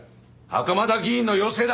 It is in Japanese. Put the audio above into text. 袴田議員の要請だ！